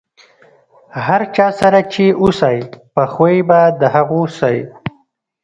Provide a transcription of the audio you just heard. د هر چا سره چې اوسئ، په خوي به د هغو سئ.